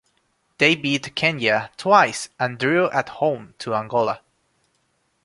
They beat Kenya twice and drew at home to Angola.